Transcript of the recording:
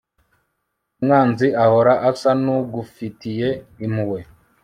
umwanzi ahora asa n'ugufitiye impuhwe